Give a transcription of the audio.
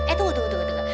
eh tunggu tunggu tunggu